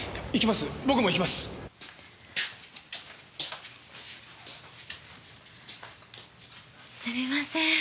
すみません。